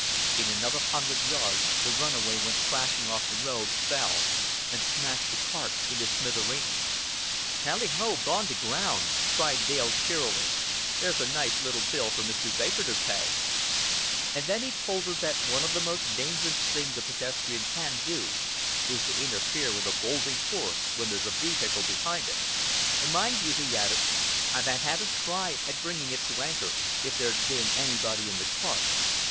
In another hundred yards the runaway went crashing off the road, fell, and smashed the cart into smithereens. "Tally ho! Gone to ground," cried Dale cheerily. "There's a nice little bill for Mr. Baker to pay." And then he told her that one of the most dangerous things a pedestrian can do is to interfere with a bolting horse when there's a vehicle behind it. "Mind you," he added, "I'd have had a try at bringing it to anchor if there'd been anybody in the cart.